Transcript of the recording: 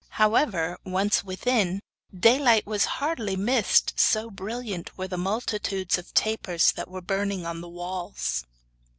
However, once within, daylight was hardly missed, so brilliant were the multitudes of tapers that were burning on the walls.